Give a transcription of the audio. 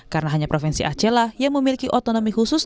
karena hanya provinsi aceh lah yang memiliki otonomi khusus